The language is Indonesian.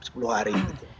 tutup sepuluh hari